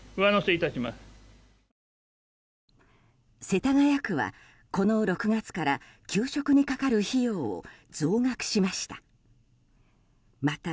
世田谷区はこの６月から給食にかかる費用を増額しました。